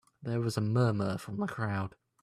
There was a murmur from the crowd.